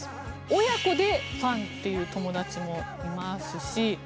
親子でファンっていう友達もいますしうん。